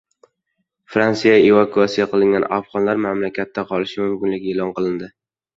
Fransiya evakuasiya qilingan afg‘onlar mamlakatda qolishi mumkinligini e’lon qildi